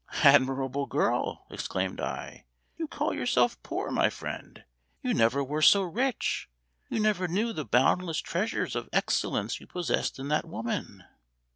"Admirable girl!" exclaimed I. "You call yourself poor, my friend; you never were so rich, you never knew the boundless treasures of excellence you possessed in that woman."